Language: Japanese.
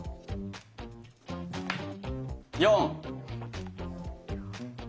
４！